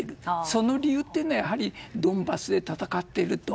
その理由はドンバスで戦っていると。